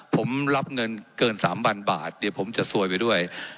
ผมรับเงินเกิน๓๐๐๐บาทเดี๋ยวผมจะซวยไปด้วย